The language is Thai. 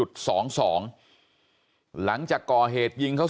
บอกแล้วบอกแล้วบอกแล้ว